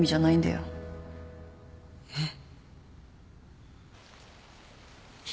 えっ？